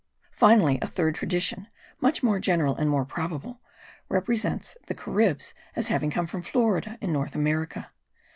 Finally, a third tradition, much more general and more probable, represents the Caribs as having come from Florida, in North America.